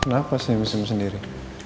kenapa sih mesti sendiri